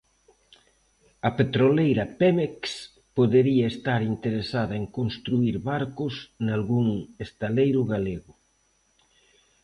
A petroleira Pemex podería estar interesada en construír barcos nalgún estaleiro galego.